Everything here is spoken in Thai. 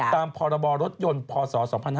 ตามพรรยพศ๒๕๒๒